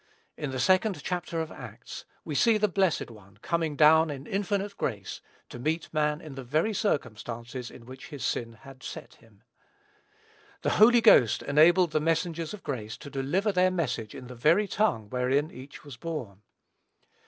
In the second chapter of Acts, we see the blessed One coming down in infinite grace to meet man in the very circumstances in which his sin had set him. The Holy Ghost enabled the messengers of grace to deliver their message in the very tongue wherein each was born.